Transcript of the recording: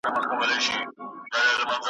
د قاتل تر شا د غره په څېر ولاړ وي ,